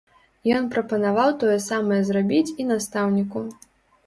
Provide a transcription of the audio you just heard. Ён прапанаваў тое самае зрабіць і настаўніку.